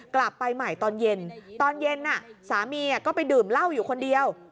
กลับไปใหม่ตอนเย็นตอนเย็นสามีก็ไปดื่มเหล้าอยู่คนเดียว